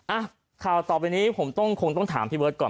อ่ะข่าวต่อไปนี้ผมต้องคงต้องถามพี่เบิร์ตก่อน